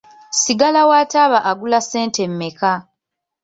Sigala wa taaba agula ssente mmeka?